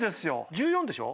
１４でしょ？